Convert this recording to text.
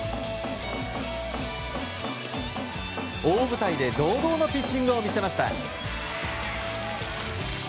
大舞台で堂々のピッチングを見せました。